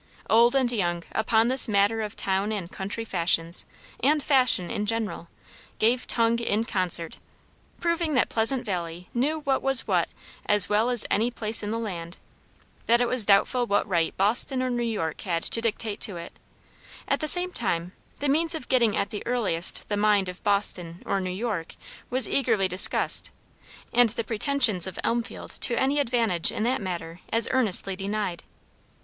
Old and young, upon this matter of town and country fashions, and fashion in general, "gave tongue" in concert; proving that Pleasant Valley knew what was what as well as any place in the land; that it was doubtful what right Boston or New York had to dictate to it; at the same time the means of getting at the earliest the mind of Boston or New York was eagerly discussed, and the pretensions of Elmfield to any advantage in that matter as earnestly denied.